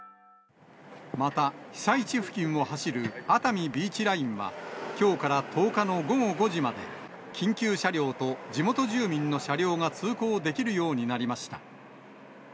また被災地付近を走る熱海ビーチラインは、きょうから１０日の午後５時まで、緊急車両と地元住民の車両が通行できるようになりました。